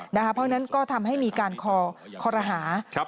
เพราะฉะนั้นก็ทำให้มีการคอรหา